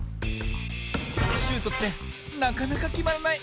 シュートってなかなかきまらない。